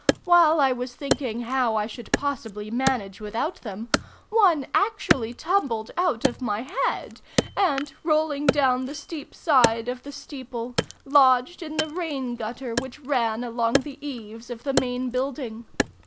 While I was thinking how I should possibly manage without them, one actually tumbled out of my head, and, rolling down the steep side of the steeple, lodged in the rain gutter which ran along the eaves of the main building.